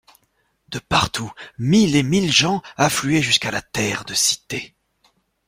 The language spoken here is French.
De partout, mille et mille gens affluaient jusqu'à la Terre de Cité.